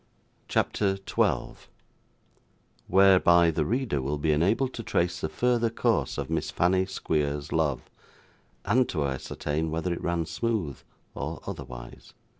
CHAPTER 12 Whereby the Reader will be enabled to trace the further course of Miss Fanny Squeer's Love, and to ascertain whether it ran smooth or otherwise.